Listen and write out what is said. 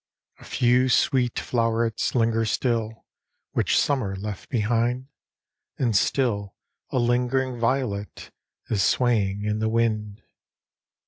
AN AUTUMN INVITATION. 115 A few sweet flow'rets linger still, Which Summer left behind ; And still a lingering violet Is swaying in the wind.